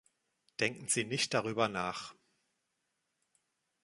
Denken Sie nicht darüber nach.